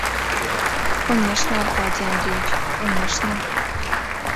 Конешне, Аркадий Андреич, конешне.